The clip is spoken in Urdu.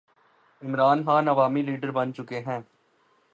عمران خان عوامی لیڈر بن چکے ہیں۔